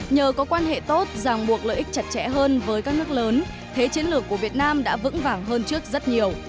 nhờ có quan hệ tốt ràng buộc lợi ích chặt chẽ hơn với các nước lớn thế chiến lược của việt nam đã vững vàng hơn trước rất nhiều